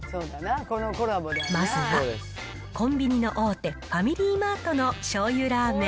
まずはコンビニの大手、ファミリーマートのしょうゆラーメン。